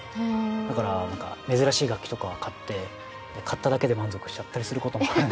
だからなんか珍しい楽器とか買って買っただけで満足しちゃったりする事もあるんですけど。